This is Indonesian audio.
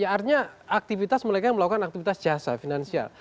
artinya mereka melakukan aktivitas jasa finansial